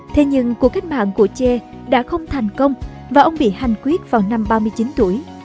thế nhưng cuộc cách mạng của ché đã không thành công và ông bị hành quyết vào năm ba mươi chín tuổi